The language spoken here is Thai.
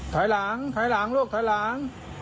ถอยหลังถอยหลังลูกถอยหลัง